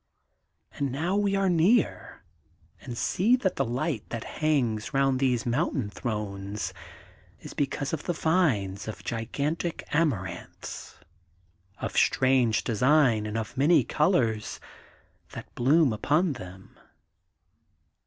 And now we are near, and see that the light that hangs round these mountain thrones is because of the vines of gigantic Amaranths, of strange design and of many colors, that bloom upon them.